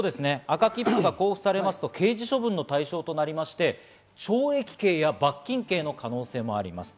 赤切符が交付されると、刑事処分の対象となりまして、懲役刑や罰金刑の可能性もあります。